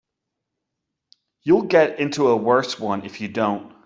You'll get into a worse one if you don't.